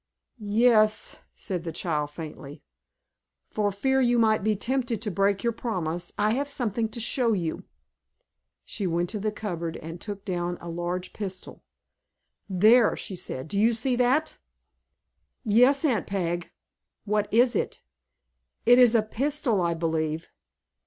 "Yes," said the child, faintly. "For fear you might be tempted to break your promise, I have something to show you." She went to the cupboard, and took down a large pistol. "There," she said, "do you see that?" "Yes, Aunt Peg." "What is it?" "It is a pistol, I believe."